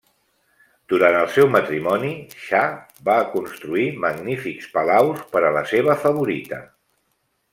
Durant el seu matrimoni, Xa va construir magnífics palaus per a la seva favorita.